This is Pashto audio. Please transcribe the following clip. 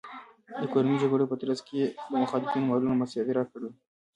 د کورنیو جګړو په ترڅ کې یې د مخالفینو مالونه مصادره کړل